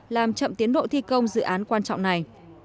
làm chậm tiến độ thi công dự án quan trọng này